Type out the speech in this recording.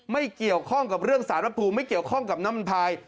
ไม่เกี่ยวข้องกับเรื่องสารภูมิไม่เกี่ยวข้องกับน้ำมันพาย